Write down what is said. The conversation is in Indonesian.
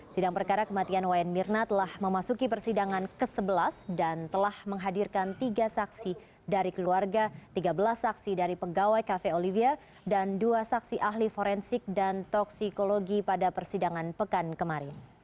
sidang perkara kematian wayan mirna telah memasuki persidangan ke sebelas dan telah menghadirkan tiga saksi dari keluarga tiga belas saksi dari pegawai cafe olivia dan dua saksi ahli forensik dan toksikologi pada persidangan pekan kemarin